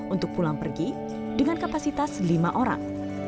untuk pulang pergi dengan kapasitas lima orang